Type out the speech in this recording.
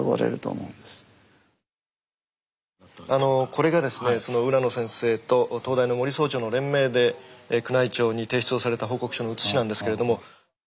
これがですねその浦野先生と東大の森総長の連名で宮内庁に提出をされた報告書の写しなんですけれども。